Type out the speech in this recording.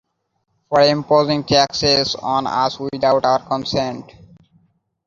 For imposing Taxes on us without our Consent: